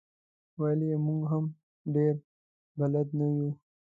ویل یې موږ هم ډېر بلد نه یو.